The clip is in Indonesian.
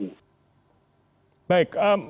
yang menunjukkan ada kesempatan